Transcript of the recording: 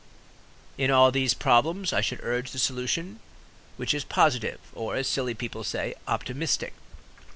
In all these problems I should urge the solution which is positive, or, as silly people say, "optimistic."